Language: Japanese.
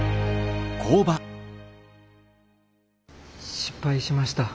失敗しました。